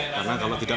karena kalau tidak